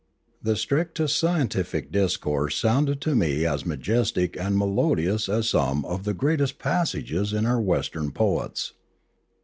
The strictest scientific discourse sounded to me as majestic and melodious as some of the greatest passages in our Western poets.